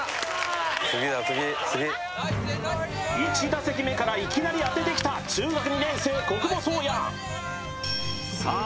１打席目からいきなり当ててきた中学２年生小久保颯弥さあ